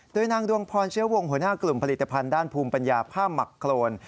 โดยนางดวงพรเชื้อวงหัวหน้ากลุ่มผลิตภัณฑ์ด้านภูมิปัญญาผ้าหมักโครน